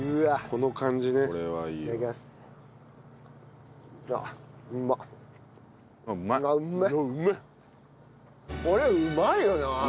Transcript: これうまいよな！